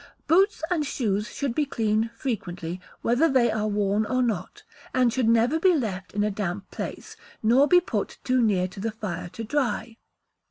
Boots and shoes should be cleaned frequently, whether they are worn or not, and should never be left in a damp place, nor be put too near to the fire to dry.